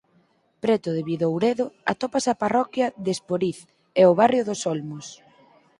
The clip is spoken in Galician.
Preto de Bidouredo atópase a parroquia de Esporiz e o barrio dos Olmos.